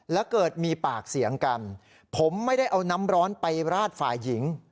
แล้วเกิดมีปากเสียงกันผมไม่ได้เอาน้ำร้อนไปราดฝ่ายหญิง